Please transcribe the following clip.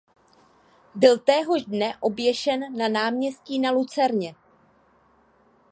Byl téhož dne oběšen na náměstí na lucerně.